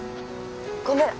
ごめん。